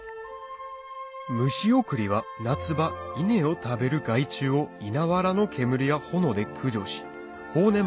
虫送りは夏場稲を食べる害虫を稲わらの煙や炎で駆除し豊年